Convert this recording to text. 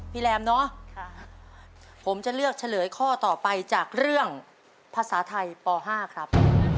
แรมเนาะผมจะเลือกเฉลยข้อต่อไปจากเรื่องภาษาไทยป๕ครับ